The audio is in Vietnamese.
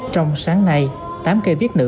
trong sáng nay tám cây viết nữ